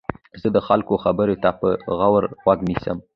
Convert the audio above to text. زه د خلکو خبرو ته په غور غوږ نیسم.